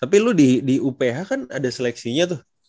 tapi lu di uph kan ada seleksinya tuh